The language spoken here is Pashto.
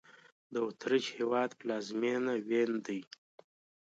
د اوترېش هېواد پلازمېنه وین دی